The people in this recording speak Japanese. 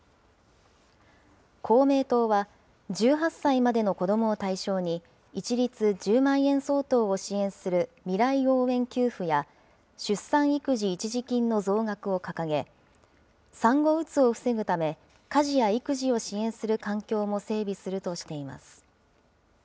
公明党は、１８歳までの子どもを対象に、一律１０万円相当を支援する未来応援給付や、出産育児一時金の増額を掲げ、産後うつを防ぐため、家事や育児を支援する環境も整備するとしています。